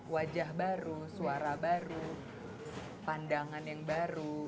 wajah baru suara baru pandangan yang baru